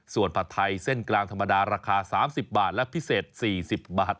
ส่วนผัดไทยเส้นกลางธรรมดาราคา๓๐บาทและพิเศษ๔๐บาท